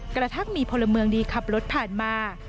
กระทั่งมีพลเมืองดีขับรถผ่านมา